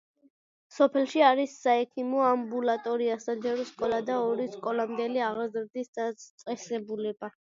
სოფელში არის საექიმო ამბულატორია, საჯარო სკოლა და ორი სკოლამდელი აღზრდის დაწესებულება.